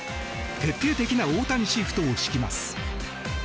徹底的な大谷シフトを敷きます。